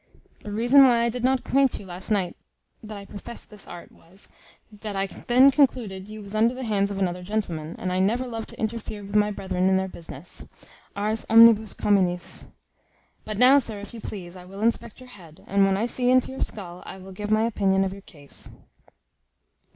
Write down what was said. The reason why I did not acquaint you last night that I professed this art, was, that I then concluded you was under the hands of another gentleman, and I never love to interfere with my brethren in their business. Ars omnibus communis. But now, sir, if you please, I will inspect your head, and when I see into your skull, I will give my opinion of your case."